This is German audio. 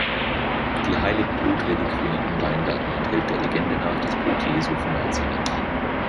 Die Heilig-Blut-Reliquie in Weingarten enthält der Legende nach das Blut Jesu von Nazaret.